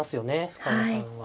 深浦さんは。